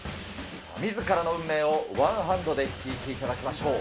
みずからの運命をワンハンドでひいていただきましょう。